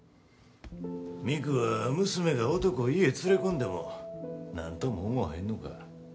美久は娘が男を家連れ込んでも何とも思わへんのか？